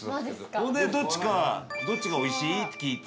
飯尾：それでどっちかどっちがおいしい？って聞いて。